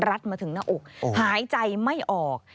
มาถึงหน้าอกหายใจไม่ออก